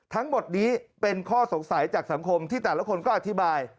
ทั้งหมดนี้เป็นข้อสงสัยจากสังคมที่แต่ละคนก็อธิบาย